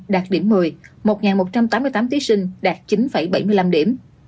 đạt điểm một mươi một một trăm tám mươi tám thí sinh đạt chín bảy mươi năm điểm